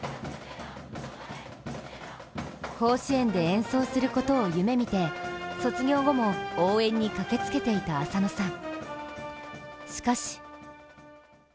甲子園で演奏することを夢みて卒業後も、応援に駆けつけていた浅野さん。